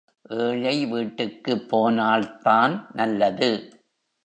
ஏழை வீட்டுக்குப் போனால்தான் நல்லது.